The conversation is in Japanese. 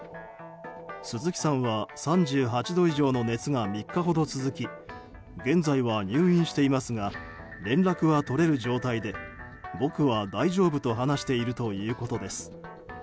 鈴木さんは３８度以上の熱が３日ほど続き現在は入院していますが連絡は取れる状態で僕は大丈夫と話しているということです。